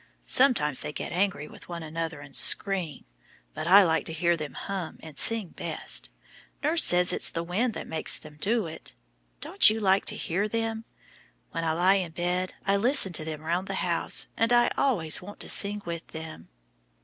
Sometimes they get angry with one another and scream, but I like to hear them hum and sing best. Nurse says it's the wind that makes them do it. Don't you like to hear them? When I lie in bed I listen to them around the house, and I always want to sing with them.